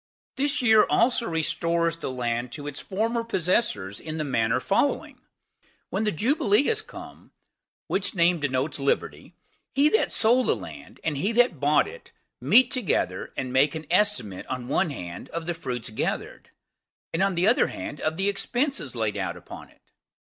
This year also restores the land to its former possessors in the manner following:When the Jubilee is come, which name denotes liberty, he that sold the land, and he that bought it, meet together, and make an estimate, on one hand, of the fruits gathered; and, on the other hand, of the expenses laid out upon it.